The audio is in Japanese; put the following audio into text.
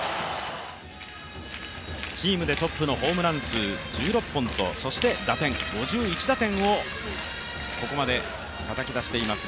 チームでトップのホームラン数、１１本とそして打点５１打点をここまでたたき出しています